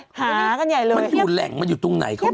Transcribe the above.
หากันใหญ่เลยมันอยู่แหล่งมันอยู่ตรงไหนก็ไม่รู้